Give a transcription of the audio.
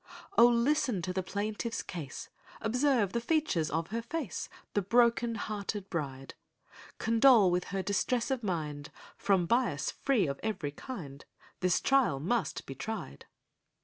Oh, listen to the plaintiff's case: Observe the features of her face— The broken hearted bride! Condole with her distress of mind— From bias free of every kind, This trial must be tried!